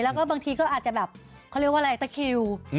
แล้วก็บางทีก็อาจจะแบบเขาเรียกว่าอะไรตะคิว